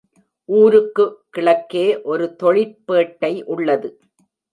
ஊருக்கு கிழக்கே ஒரு தொழிற்பேட்டை உள்ளது.